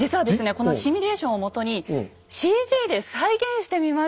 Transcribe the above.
このシミュレーションをもとにＣＧで再現してみました。